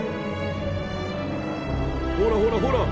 ほらほらほら！